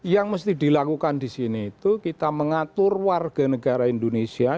yang mesti dilakukan di sini itu kita mengatur warga negara indonesia